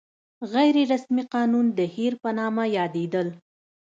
غیر رسمي قوانین د هیر په نامه یادېدل.